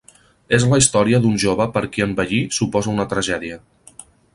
És la història d'un jove per qui envellir suposa una tragèdia.